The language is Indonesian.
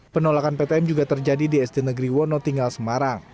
penolakan ptm juga terjadi di sd negeri wono tinggal semarang